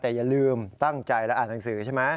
แต่อย่าลืมตั้งใจแล้วอ่านหนังสือใช่ไหม